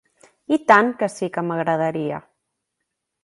I tant que sí que m'agradaria!